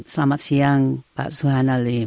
selamat siang pak suhana lim